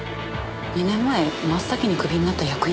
２年前真っ先にクビになった役員よ。